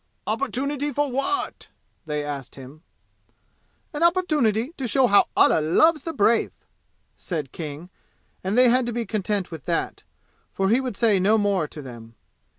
"Opportunity for what?" they asked him. "An opportunity to show how Allah loves the brave!" said King, and they had to be content with that, for he would say no more to them.